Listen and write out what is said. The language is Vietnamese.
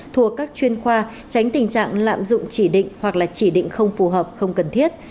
thuộc các chuyên khoa tránh tình trạng lạm dụng chỉ định hoặc là chỉ định không phù hợp không cần thiết